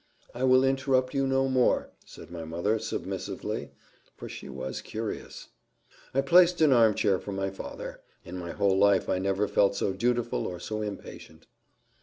"I will interrupt you no more," said my mother, submissively, for she was curious. I placed an arm chair for my father in my whole life I never felt so dutiful or so impatient.